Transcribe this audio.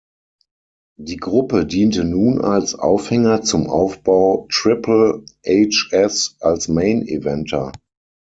Die Gruppe diente nun als Aufhänger zum Aufbau Triple Hs als Main-Eventer.